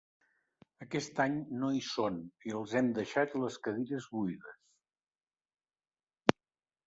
Aquest any no hi són i els hem deixat les cadires buides.